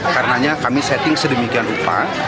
karenanya kami setting sedemikian rupa